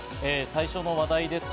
最初の話題です。